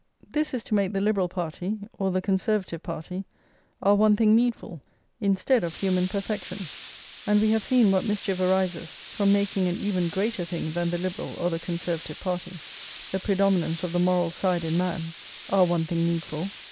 This is to make the Liberal party, or the Conservative party, our one thing needful, instead of human perfection; and we have seen what mischief arises from making an even greater thing than the Liberal or the Conservative party, the predominance of the moral side in man, our one thing needful.